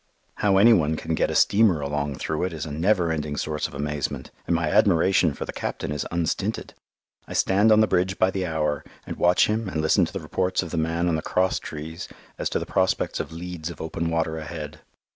How any one can get a steamer along through it is a never ending source of amazement, and my admiration for the captain is unstinted. I stand on the bridge by the hour, and watch him and listen to the reports of the man on the cross trees as to the prospects of "leads" of open water ahead.